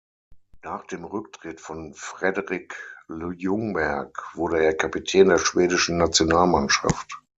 Nach dem Rücktritt von Fredrik Ljungberg wurde er Kapitän der Schwedischen Nationalmannschaft.